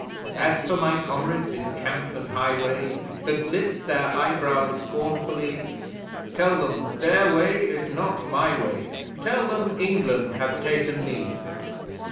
As for my Comrades in camp and highway, That lift their eyebrows scornfully; Tell them their way is not my way Tell them England hath taken me!